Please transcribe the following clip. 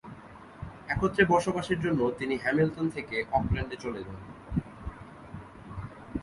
একত্রে বসবাসের জন্য তিনি হ্যামিলটন থেকে অকল্যান্ডে চলে যান।